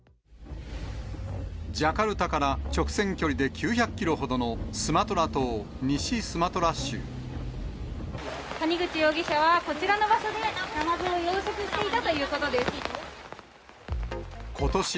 ジャカルタから直線距離で９００キロほどのスマトラ島西スマトラ谷口容疑者は、こちらの場所でナマズを養殖していたということです。